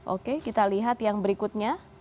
oke kita lihat yang berikutnya